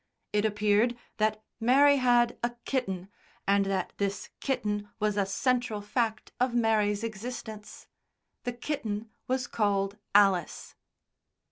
It appeared that Mary had a kitten, and that this kitten was a central fact of Mary's existence. The kitten was called Alice.